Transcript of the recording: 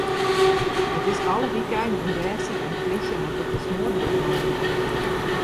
It is alle wykeinen ûnrêstich en de polysje hat it der smoardrok mei.